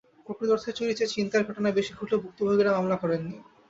প্রকৃত অর্থে চুরির চেয়ে ছিনতাইয়ের ঘটনা বেশি ঘটলেও ভুক্তভোগীরা মামলা করেননি।